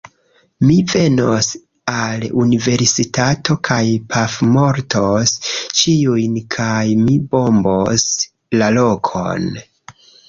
Mi venos al universitato kaj pafmortos ĉiujn kaj mi bombos la lokon